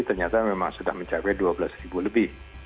ternyata memang sudah mencapai dua belas ribu lebih